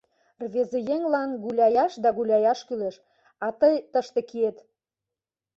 Рвезыеҥлан гуляяш да гуляяш кӱлеш, а тый тыште киет.